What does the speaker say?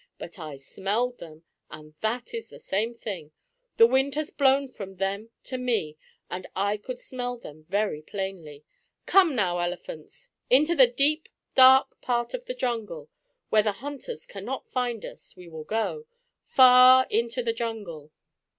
"But I smelled them, and that is the same thing. The wind was blowing from them to me, and I could smell them very plainly. Come now, elephants! Into the deep, dark part of the jungle, where the hunters can not find us, we will go far into the jungle."